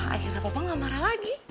akhirnya papa gak marah lagi